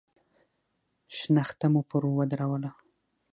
شنخته مو پر ودروله.